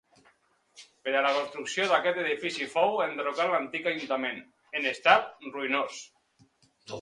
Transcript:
Per a la construcció d'aquest edifici fou enderrocat l'antic ajuntament, en estat ruïnós.